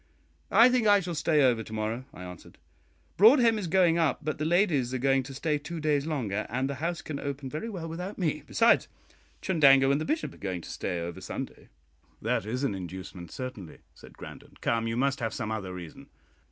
"I think I shall stay over to morrow," I answered. "Broadhem is going up, but the ladies are going to stay two days longer, and the House can open very well without me; besides, Chundango and the Bishop are going to stay over Sunday." "That is an inducement, certainly," said Grandon. "Come, you must have some other reason!"